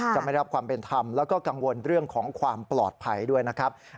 จะไม่รับความเป็นธรรมแล้วก็กังวลเรื่องของความปลอดภัยด้วยนะครับ